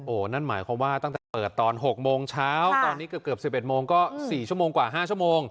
นั่นหมายความว่าตั้งแต่เปิดตอน๖โมงเช้าตอนนี้เกือบ๑๑โมงก็๔ชั่วโมงกว่า๕ชั่วโมง